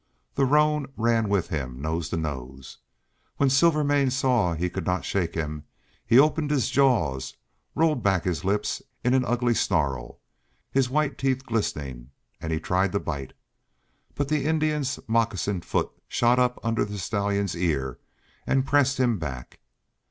The roan ran with him nose to nose. When Silvermane saw he could not shake him, he opened his jaws, rolled back his lip in an ugly snarl, his white teeth glistening, and tried to bite. But the Indian's moccasined foot shot up under the stallion's ear and pressed him back.